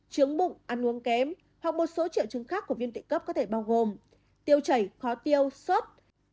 trứng bụng ăn uống kém hoặc một số triệu chứng khác của viên tụy cấp có thể bao gồm tiêu chảy khó tiêu suốt